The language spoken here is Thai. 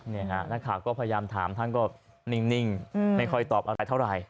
นักข่าวก็พยายามถามท่านก็นิ่งไม่ค่อยตอบอะไรเท่าไหร่